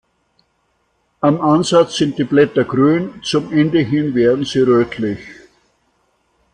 Am Ansatz sind die Blätter grün, zum Ende hin werden sie rötlich.